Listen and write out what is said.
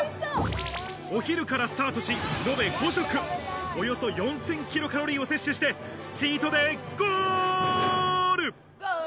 お昼からスタートし、のべ５食、およそ４０００キロカロリーを摂取してチートデイ、ゴール！